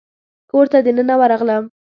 کور ته دننه ورغلم.